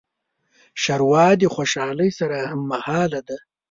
ښوروا د خوشالۍ سره هممهاله ده.